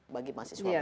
bagi mahasiswa baru